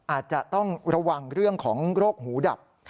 อาจจะต้องระวังเรื่องของโรคหูดับ